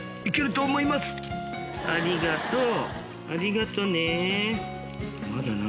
ありがとうありがとね。